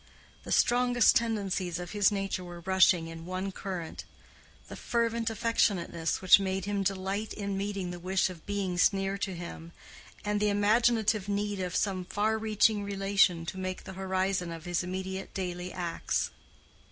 The strongest tendencies of his nature were rushing in one current—the fervent affectionateness which made him delight in meeting the wish of beings near to him, and the imaginative need of some far reaching relation to make the horizon of his immediate, daily acts.